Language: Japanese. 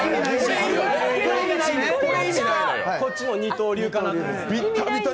こっちも二刀流かなと。